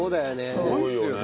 すごいですよね。